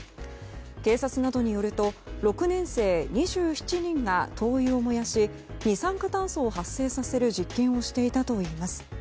警察などによると６年生２７人が灯油を燃やし二酸化炭素を発生させる実験をしていたといいます。